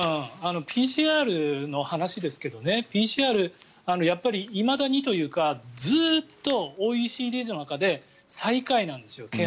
ＰＣＲの話ですけどねＰＣＲ、やっぱりいまだにというかずっとＯＥＣＤの中で最下位なんですよ。